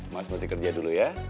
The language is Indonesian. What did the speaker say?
mas menteri kerja dulu ya